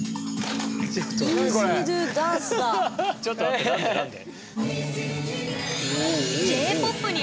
ちょっと待って何で何で？